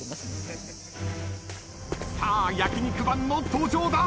さあ焼肉マンの登場だ。